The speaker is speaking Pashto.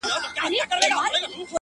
راسه چي دي حسن ته جامې د غزل وا غوندم,